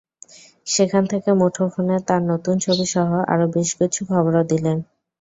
সেখান থেকে মুঠোফোনে তাঁর নতুন ছবিসহ আরও বেশ কিছু খবরও দিলেন।